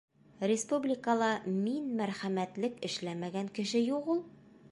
Республикала мин мәрхәмәтлек эшләмәгән кеше юҡ ул!